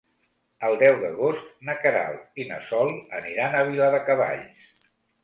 El deu d'agost na Queralt i na Sol aniran a Viladecavalls.